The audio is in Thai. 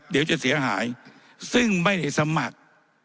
เดี๋ยวจะเสียหายซึ่งไม่ได้สมัคร